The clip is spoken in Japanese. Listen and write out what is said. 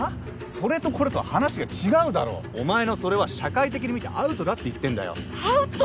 それとこれとは話が違うだろお前のそれは社会的に見てアウトだって言ってんだよアウト？